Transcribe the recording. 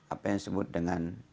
apa yang disebut dengan